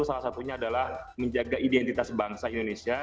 salah satunya adalah menjaga identitas bangsa indonesia